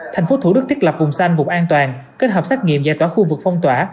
thành phố thủ đức thiết lập vùng xanh vùng an toàn kết hợp xét nghiệm giải tỏa khu vực phong tỏa